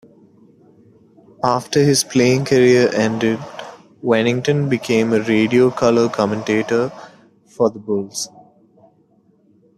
After his playing career ended, Wennington became a radio color commentator for the Bulls.